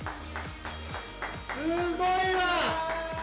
すごいわ。